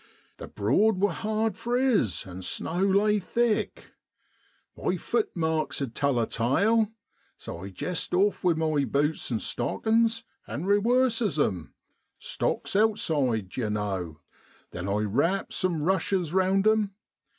The Broad wor hard friz ; an' snow lay thick. My fut marks 'ud tell a tale, so I jest off wi' my butes an' stockin's an' rewerses 'em stocks outside, yer know; then I wraps some rushes round 'em.